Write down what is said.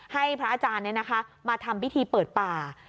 ให้พระอาจารย์มาทำพิธีเปิดป่า